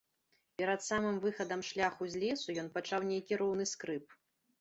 Перад самым выхадам шляху з лесу, ён пачуў нейкі роўны скрып.